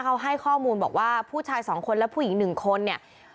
เขาให้ข้อมูลบอกว่าผู้ชายสองคนและผู้หญิง๑คนเนี่ย